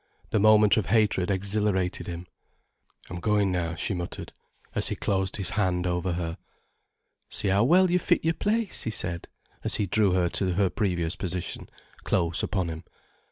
The moment of hatred exhilarated him. "I'm going now," she muttered, as he closed his hand over her. "See how well you fit your place," he said, as he drew her to her previous position, close upon him.